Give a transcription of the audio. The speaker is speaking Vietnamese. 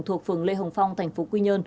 thuộc phường lê hồng phong tp qn